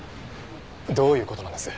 どういう事なんです？